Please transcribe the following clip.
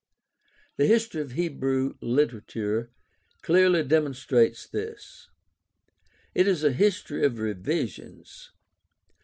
The history of Hebrew literature clearly demonstrates this. It is a history of revisions.